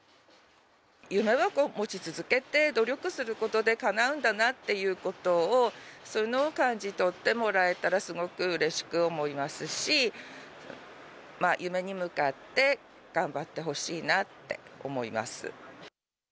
夢は持ち続けて努力することでかなうんだなっていうことを、そういうのを感じ取ってもらえたら、すごくうれしく思いますし、夢に向かって頑張ってほしいなって思います。